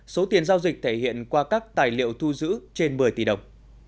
số tiền giao dịch thể hiện qua các tài liệu thu giữ trên một mươi tỷ đồng